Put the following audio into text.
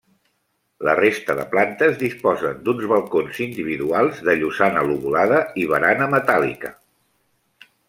La resta de plantes disposen d'uns balcons individuals de llosana lobulada i barana metàl·lica.